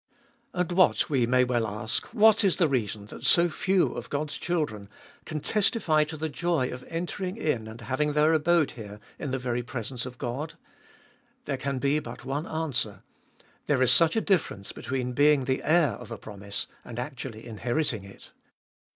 And what, we may well ask, what is the reason that so few of God's children can testify to the joy of entering in and having their abode here in the very presence of God ? There can be but one answer, There is such a difference between being the heir of a promise and actually inheriting it.